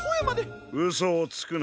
うそをつくな。